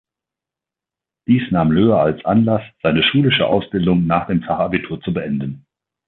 Dies nahm Löhe als Anlass, seine schulische Ausbildung nach dem Fachabitur zu beenden.